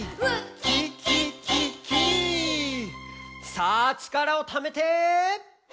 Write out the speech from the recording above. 「さあちからをためて！」